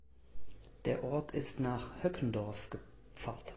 Der Ort ist nach Höckendorf gepfarrt.